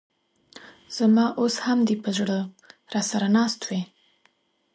ز ما اوس هم دي په زړه راسره ناست وې